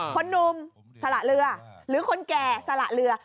คนหนุ่มสละเรือหรือคนแก่สละเรือ